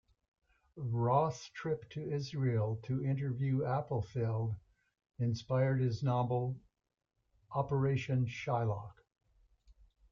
Roth's trip to Israel to interview Appelfeld inspired his novel "Operation Shylock".